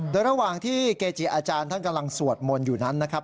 โดยระหว่างที่เกจิอาจารย์ท่านกำลังสวดมนต์อยู่นั้นนะครับ